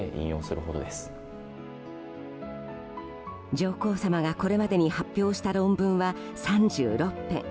上皇さまが、これまでに発表した論文は３６編。